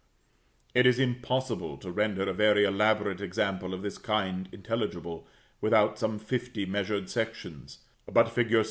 It is impossible to render a very elaborate example of this kind intelligible, without some fifty measured sections; but fig.